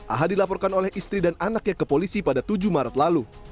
aha dilaporkan oleh istri dan anaknya ke polisi pada tujuh maret lalu